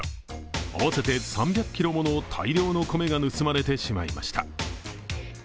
合わせて３００ｋｇもの大量の米が盗まれてしまいました。